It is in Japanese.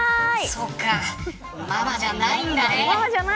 そうか、ママじゃないんだね。